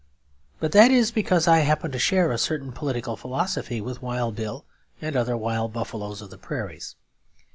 But that is because I happen to share a certain political philosophy with Wild Bill and other wild buffaloes of the prairies.